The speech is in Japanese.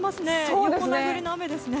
横殴りの雨ですね。